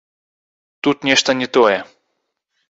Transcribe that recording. Тут нешта не тое.